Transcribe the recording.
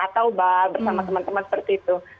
atau bersama teman teman seperti itu